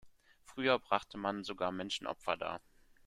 Früher brachte man sogar Menschenopfer dar.